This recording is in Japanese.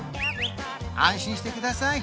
安心してください